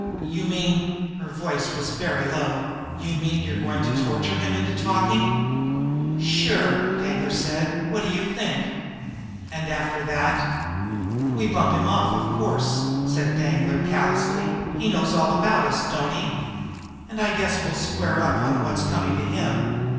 "You mean" her voice was very low "you mean you're going to torture him into talking?" "Sure!" said Danglar. "What do you think!" "And after that?" "We bump him off, of course," said Danglar callously. "He knows all about us, don't he? And I guess we'll square up on what's coming to him!